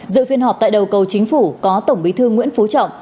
dự phiên họp tại đầu cầu chính phủ có tổng bí thư nguyễn phú trọng